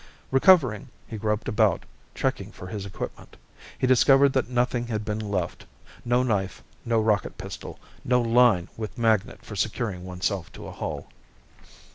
Recovering, he groped about, checking for his equipment. He discovered that nothing had been left. No knife, no rocket pistol, no line with magnet for securing oneself to a hull.